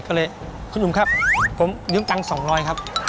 ก็เลยคุณหนุ่มครับผมยืมตังค์๒๐๐ครับ